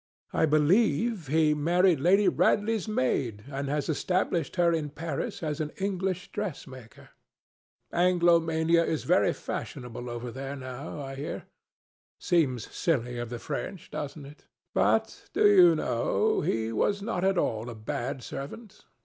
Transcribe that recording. "I believe he married Lady Radley's maid, and has established her in Paris as an English dressmaker. Anglomanie is very fashionable over there now, I hear. It seems silly of the French, doesn't it? But—do you know?—he was not at all a bad servant.